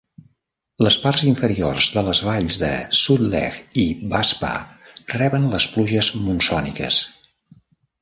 Les parts inferiors de les valls de Sutlej i Baspa reben les pluges monsòniques.